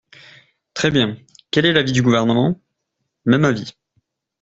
Très bien ! Quel est l’avis du Gouvernement ? Même avis.